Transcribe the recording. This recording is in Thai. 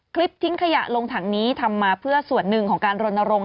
คลิปทิ้งขยะลงถังนี้ทำมาเพื่อส่วนหนึ่งของการรณรงค